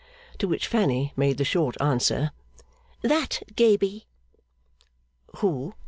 To which Fanny made the short answer, 'That gaby.' 'Who?